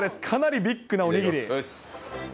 かなりビッグなおにぎり。